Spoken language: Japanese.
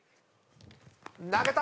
投げた！